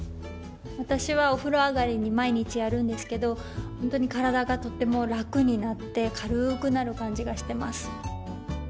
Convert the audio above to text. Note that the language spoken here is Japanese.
私はお風呂上がりに毎日やるんですけどホントに体がとっても楽になって軽くなる感じがしてます。